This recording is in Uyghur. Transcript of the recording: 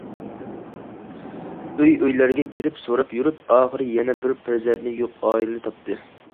ئۆي- ئۆيلەرگە كىرىپ سوراپ يۈرۈپ، ئاخىر يەنە بىر پەرزەنتى يوق ئائىلىنى تاپتى.